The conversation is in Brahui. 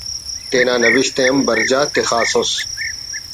تینا نوشت ءِ ہم برجا تخاسس